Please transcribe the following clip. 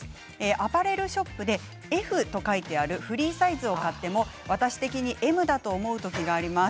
アパレルショップでＦと書いてあるフリーサイズを買っても私的にはＭだと思う時があります。